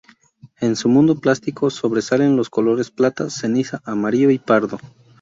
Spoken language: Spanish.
En su mundo plástico sobresalen los colores plata, ceniza, amarillo y pardo.